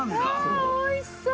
ああおいしそう！